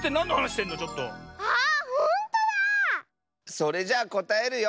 それじゃあこたえるよ。